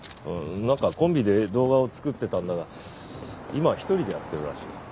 なんかコンビで動画を作ってたんだが今は一人でやってるらしい。